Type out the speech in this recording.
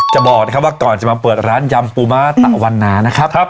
ก็บอกว่าก่อนมาเปิดอยำปูม่าตะวันนา